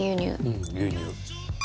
うん牛乳。